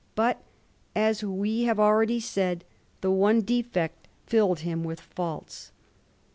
But, as we have already said, the one defect filled him with &ults.